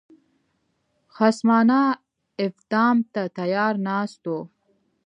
خصمانه افدام ته تیار ناست وو.